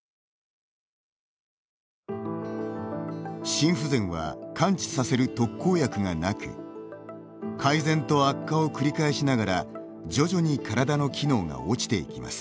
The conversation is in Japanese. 心不全は完治させる特効薬がなく改善と悪化を繰り返しながら徐々に体の機能が落ちていきます。